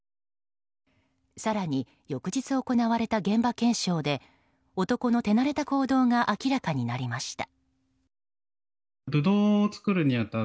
更に翌日行われた現場検証で男の手慣れた行動が明らかになりました。